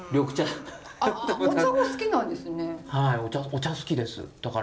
お茶好きです。